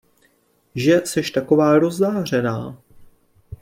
Že seš taková rozzářená?